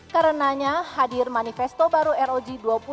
karenanya hadir manifesto baru rog dua ribu dua puluh satu